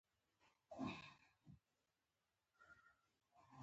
نباتات هم لکه انسانان اکسیجن اخلي او کاربن ډای اکسایډ وباسي